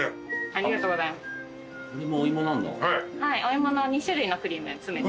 はいお芋の２種類のクリーム詰めて。